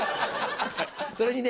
それにね